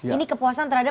ini kepuasan terhadap